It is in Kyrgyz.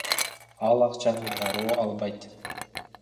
Ал акчаны дароо албайт.